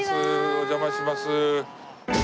お邪魔します。